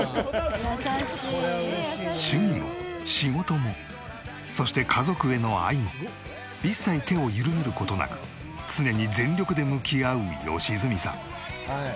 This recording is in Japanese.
「優しい」趣味も仕事もそして家族への愛も一切手を緩める事なく常に全力で向き合う良純さん。